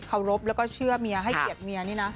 รบแล้วก็เชื่อเมียให้เกียรติเมียนี่นะ